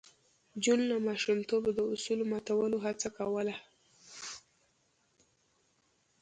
جون له ماشومتوبه د اصولو ماتولو هڅه کوله